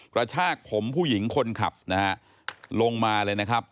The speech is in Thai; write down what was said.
กระชากผมผู้หญิงคนขับนะฮะลงมาเลยนะครับ